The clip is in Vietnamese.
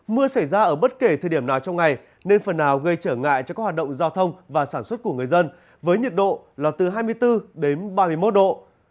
mưa xảy ra ở bất kể thời điểm nào trong ngày nên phần nào gây trở ngại cho các hoạt động giao thông và sản xuất của người dân với nhiệt độ là từ hai mươi bốn đến ba mươi một độ